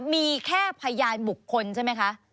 มีแค่พยานบุคคลใช่ไหมคะ